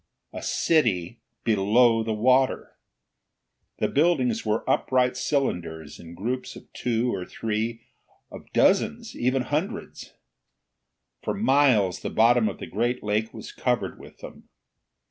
A city below the water! The buildings were upright cylinders in groups of two or three, of dozens, even of hundreds. For miles, the bottom of the great lake was covered with them.